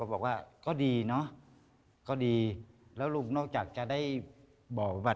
ลุงคนนี้ก็บอกว่าอยากได้วัดอยากได้วัดอยากได้วัด